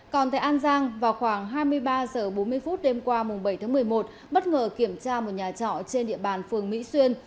còn tại an giang vào khoảng hai mươi ba h bốn mươi phút đêm qua bảy một mươi một bất ngờ kiểm tra một nhà trọ trên địa bàn phường mỹ xuyên